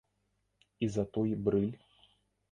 І за той брыль?